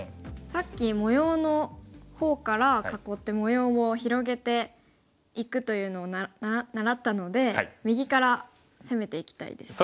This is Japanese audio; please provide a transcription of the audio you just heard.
さっき模様の方から囲って模様を広げていくというのを習ったので右から攻めていきたいです。